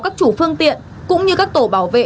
các chủ phương tiện cũng như các tổ bảo vệ